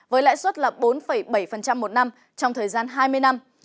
với lãi suất là bốn bảy một năm trong thời gian hai mươi năm